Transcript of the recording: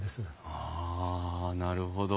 あなるほど。